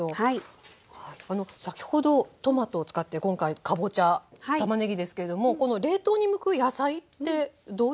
先ほどトマトを使って今回かぼちゃたまねぎですけれどもこの冷凍に向く野菜ってどういうものですか？